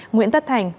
nguyễn tất thành